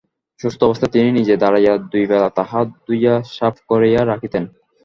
সুস্থ অবস্থায় তিনি নিজে দাঁড়াইয়া দুইবেলা তাহা ধুইয়া সাফ করাইয়া রাখিতেন।